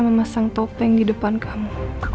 memasang topeng di depan kamu